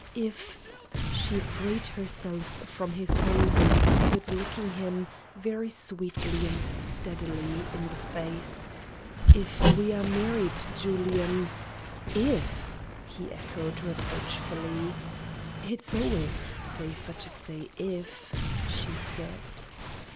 If" she freed herself from his hold and stood looking him, very sweetly and steadily, in the face "if we are married, Julian" "If!" he echoed, reproachfully. "It's always safer to say 'if'" she said.